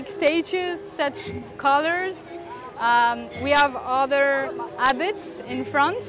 kita memiliki kemahiran lain di perancis